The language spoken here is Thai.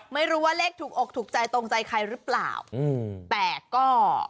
ไม่รู้ว่าเลขถูกอกถูกใจตรงใจใครหรือเปล่าอืมแต่ก็